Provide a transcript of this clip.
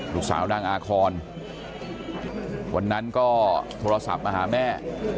นางสาวนางอาคอนวันนั้นก็โทรศัพท์มาหาแม่